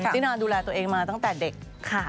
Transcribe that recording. ตินาดูแลตัวเองมาตั้งแต่เด็ก